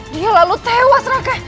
dia lalu tewas raka